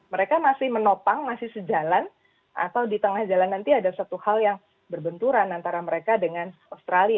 mereka masih menopang masih sejalan atau di tengah jalan nanti ada satu hal yang berbenturan antara mereka dengan australia